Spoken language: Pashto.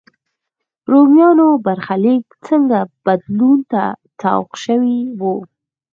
رومیانو برخلیک څنګه بدلون ته سوق شوی و.